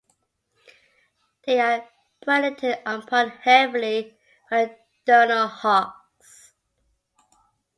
They are predated upon heavily by the diurnal hawks.